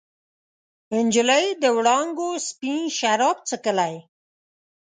نجلۍ د وړانګو سپین شراب چښلي